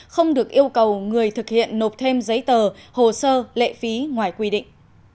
không được yêu cầu người thực hiện nộp thêm giấy tờ hồ sơ lệ phí ngoài quy định